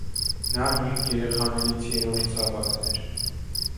Նա հինգ երեխաներից երրորդ զավակն էր։